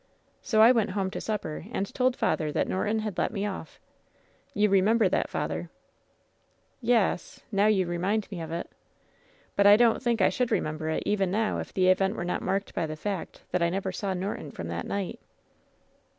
"So I went home to supper, and told father that Nor ton had let me off. You remember that, father ?" "Y y yes, now you remind me of it. But I don't think I should remember it even now if the event were not marked by the fact that I never saw Norton from that night."